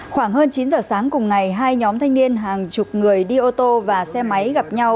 khoảng hơn chín giờ sáng cùng ngày hai nhóm thanh niên hàng chục người đi ô tô và xe máy gặp nhau